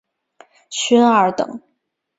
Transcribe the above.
勋二等。